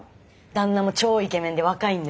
旦那も超イケメンで若いんです。